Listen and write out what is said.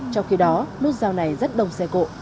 trong khi đó nút giao này rất đông xe cộ